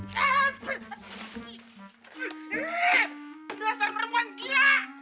dasar perempuan kia